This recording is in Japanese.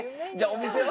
お店は？